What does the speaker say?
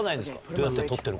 どうやって撮ってるか。